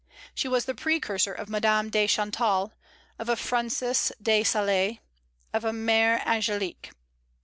She was the precursor of a Madame de Chantal, of a Francis de Sales, of a Mère Angelique.